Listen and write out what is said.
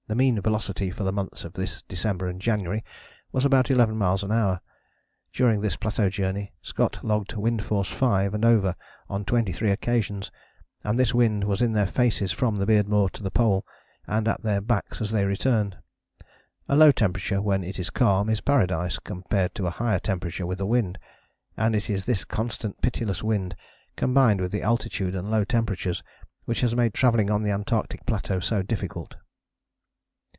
The mean velocity for the months of this December and January was about 11 miles an hour. During this plateau journey Scott logged wind force 5 and over on 23 occasions, and this wind was in their faces from the Beardmore to the Pole, and at their backs as they returned. A low temperature when it is calm is paradise compared to a higher temperature with a wind, and it is this constant pitiless wind, combined with the altitude and low temperatures, which has made travelling on the Antarctic plateau so difficult.